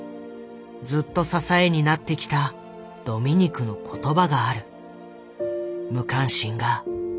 ずっと支えになってきたドミニクの言葉がある。